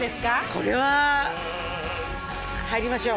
これは入りましょう。